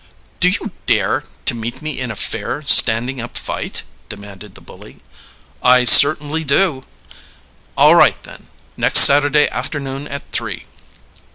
"Do you dare to meet me in a fair, standing up fight?" demanded the bully. "I certainly do." "All right, then. Next Saturday afternoon at three."